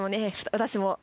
私も。